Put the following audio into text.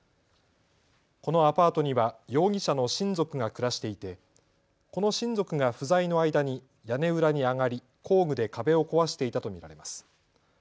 このアパートには容疑者の親族が暮らしていてこの親族が不在の間に屋根裏に上がり工具で壁を壊していたと見られます。